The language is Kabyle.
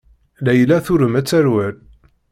Layla turem ad terwel.